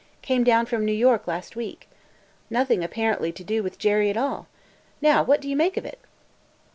Came down from New York last week. Nothing apparently to do with Jerry at all. Now what do you make of it?"